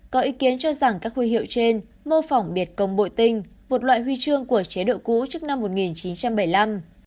có ý kiến cho rằng các huy hiệu trên mô phỏng biệt công bội tinh một loại huy chương của chế độ cũ trước năm một nghìn chín trăm bảy mươi năm